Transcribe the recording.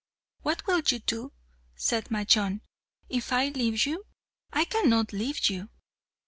"What will you do," said Majnun, "if I leave you? I cannot leave you."